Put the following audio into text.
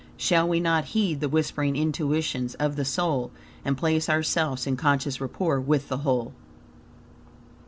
Shall we not heed the whispering intuitions of the soul and place ourselves in conscious rapport with the whole?